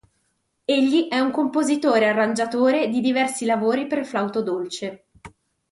Egli è un compositore, arrangiatore di diversi lavori per flauto dolce.